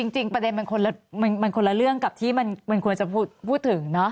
จริงประเด็นมันคนละเรื่องกับที่มันควรจะพูดถึงเนอะ